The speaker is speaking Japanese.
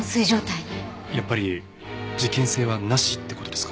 やっぱり事件性はなしって事ですか？